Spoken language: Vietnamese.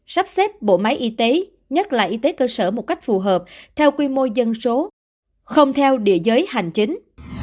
sắp xếp bộ máy y tế nhất là y tế cơ sở một cách phù hợp theo quy mô dân số không theo địa giới hành chính